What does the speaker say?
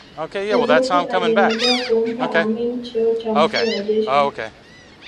obote aliendelea kumpa amin cheo cha mkuu wa jeshi